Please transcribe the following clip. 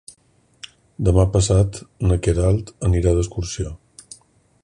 Demà passat na Queralt anirà d'excursió.